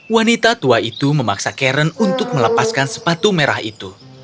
wanita tua itu memaksa karen untuk melepaskan sepatu merah itu